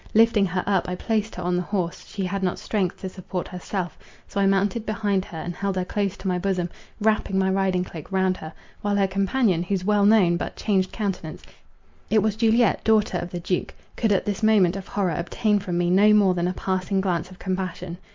Lifting her up, I placed her on the horse; she had not strength to support herself; so I mounted behind her, and held her close to my bosom, wrapping my riding cloak round her, while her companion, whose well known, but changed countenance, (it was Juliet, daughter of the Duke of L— ) could at this moment of horror obtain from me no more than a passing glance of compassion.